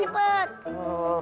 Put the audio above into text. iya bos saya kecil